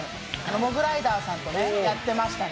モグライダーさんとやってましたね。